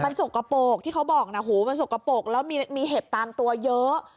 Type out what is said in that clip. มันสกปรกที่เขาบอกนะหูมันสกปรกแล้วมีเห็บตามตัวเยอะ